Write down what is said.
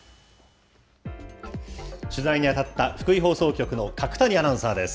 取材に当たった、福井放送局の角谷アナウンサーです。